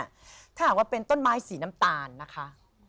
ถ้าหากว่าเป็นต้นไม้สีน้ำตาลนะคะ